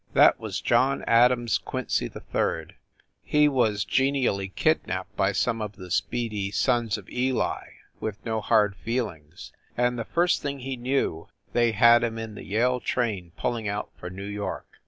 That was John Adams Quincy 3d. He was genially kidnapped by some of the speedy Sons of Eli with no hard feelings, and the first thing he knew they had him in the Yale train pulling out for New York.